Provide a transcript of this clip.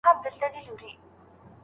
حکومت د نرخونو د لوړېدو مخه ونیوله.